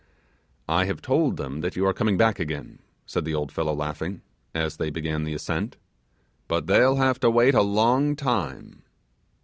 'I have told them that you are coming back again,' said the old fellow, laughing, as they began the ascent, 'but they'll have to wait a long time.